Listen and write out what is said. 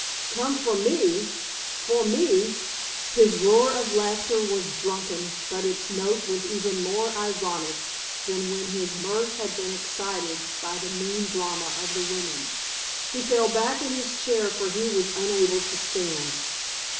"Come for me for me!" His roar of laughter was drunken but its note was even more ironic than when his mirth had been excited by the mean drama of the women. He fell back in his chair for he was unable to stand.